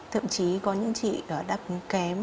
thậm chí có những chị đã đáp ứng kém